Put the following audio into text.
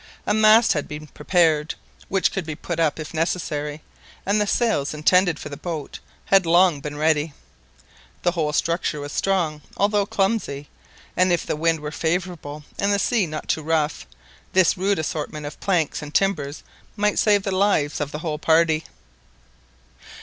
A mast had been prepared, which could be put up if necessary, and the sails intended for the boat had long been ready. The whole structure was strong, although clumsy; and if the wind were favourable, and the sea not too rough, this rude assortment of planks and timbers might save the lives of the whole party.